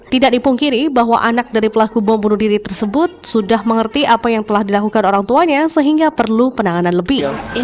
tidak dipungkiri bahwa anak dari pelaku bom bunuh diri tersebut sudah mengerti apa yang telah dilakukan orang tuanya sehingga perlu penanganan lebih